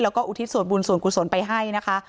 แล้วก็อุทิศส่วนบุญส่วนกุศลไปให้นะคะ